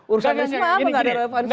urusan risma apa enggak ada relepon